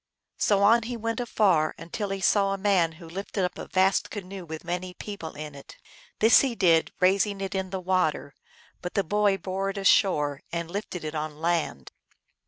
So on he went afar until he saw a man who lifted up a vast canoe with many people in it. This he did, THE THREE STRONG MEN. 313 raising it in the water ; but the boy bore it ashore, and lifted it 011 land.